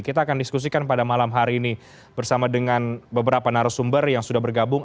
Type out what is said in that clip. kita akan diskusikan pada malam hari ini bersama dengan beberapa narasumber yang sudah bergabung